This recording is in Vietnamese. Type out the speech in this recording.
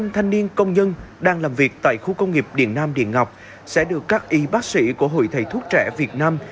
hai năm trăm linh thanh niên công nhân đang làm việc tại khu công nghiệp điện nam điện ngọc sẽ được các y bác sĩ của hội thầy thuốc trẻ việt nam